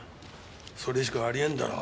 それしかありえんだろ。